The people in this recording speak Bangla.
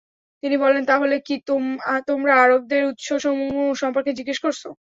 তিনি বললেন, তা হলে কি তোমরা আরবদের উৎসসমূহ সম্পর্কে জিজ্ঞেস করছ?